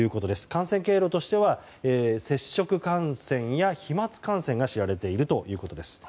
感染経路としては接触感染や飛沫感染が知られているということです。